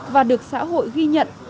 và được xã hội ghi nhận